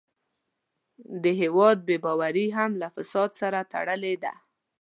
د هېواد بې باوري هم له فساد سره تړلې ده.